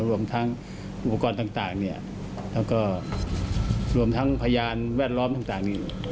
รวมทั้งอุปกรณ์ต่างแล้วก็รวมทั้งพยานแวดล้อมต่างนี่